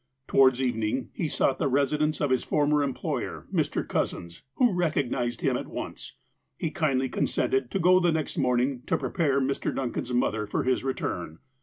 Towards evening, he sought the residence of his former employer, Mr. Cousins, who recognized him at once. He kindly consented to go the next morning to i^repare Mr. Duncan's mother for his return.